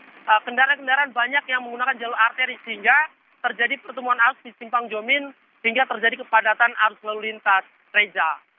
jadi kendaraan kendaraan banyak yang menggunakan jalur arteri sehingga terjadi pertumbuhan arus di simpang jomin sehingga terjadi kepadatan arus lalu lintas reza